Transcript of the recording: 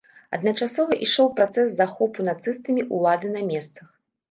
Адначасова ішоў працэс захопу нацыстамі ўлады на месцах.